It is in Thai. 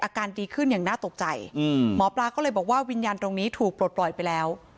อาการดีขึ้นอย่างน่าตกใจหมอปลาก็เลยบอกว่าวิญญาณตรงนี้ถูกปลดปล่อยไปแล้ว